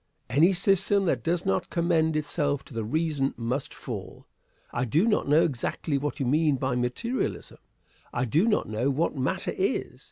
Any system that does not commend itself to the reason must fall. I do not know exactly what you mean by materialism. I do not know what matter is.